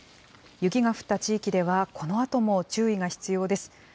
雪が降った地域では、このあとも注意が必要です。